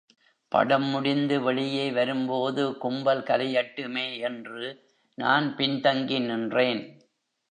படம் முடிந்து வெளியே வரும்போது, கும்பல் கலையட்டுமே என்று நான் பின் தங்கி நின்றேன்.